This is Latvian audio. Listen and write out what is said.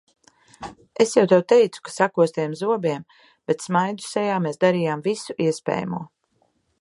Es jau tev teicu, ka sakostiem zobiem, bet smaidu sejā mēs darījām visu iespējamo.